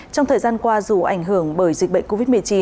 trong thời gian qua dù ảnh hưởng bởi dịch bệnh covid một mươi chín